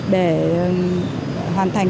để hoàn thành